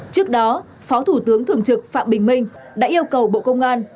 trước đó phó thủ tướng thường trực phạm bình minh đã yêu cầu bộ công an